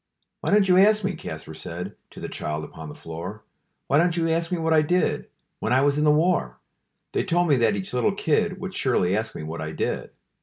"Wy don't you ask me," Kaspar said To the child upon the floor, "Why don't you ask me what I did When I was in the war? They told me that each little kid Would surely ask me what I did.